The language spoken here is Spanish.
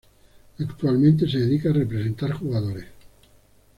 Actualmente se dedica a representar jugadores.